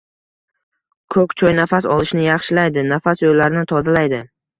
Ko‘k choy nafas olishni yaxshilaydi, nafas yo‘llarini tozalaydi.